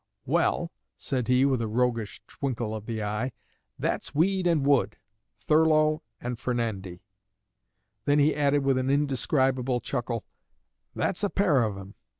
'Well,' said he, with a roguish twinkle of the eye, 'that's Weed and Wood Thurlow and Fernandy.' Then he added, with an indescribable chuckle, 'That's a pair of 'em.'